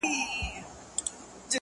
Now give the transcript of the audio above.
د کلي دې ظالم ملا سيتار مات کړی دی’